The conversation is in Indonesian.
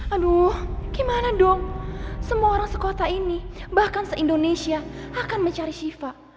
aduh gimana dong semua orang sekota ini bahkan se indonesia akan mencari shiva